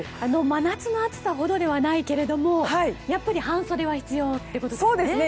真夏の暑さほどではないけどもやっぱり半袖は必要ということですね。